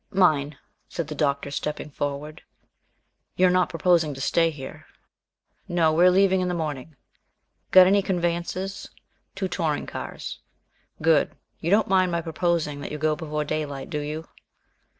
"Mine," said the Doctor, stepping forward. "You are not proposing to stay here?" "No, we are leaving in the morning." "Got any conveyances?" "Two touring cars." "Good. You don't mind my proposing that you go before daylight, do you?"